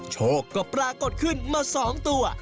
โชคก็ปรากฏขึ้นมา๒ตัว